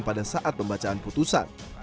pada saat pembacaan putusan